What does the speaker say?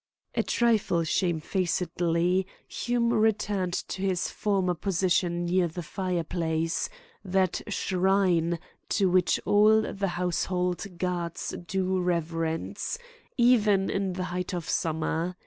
A trifle shamefacedly, Hume returned to his former position near the fireplace that shrine to which all the household gods do reverence, even in the height of summer.